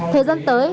thời gian tới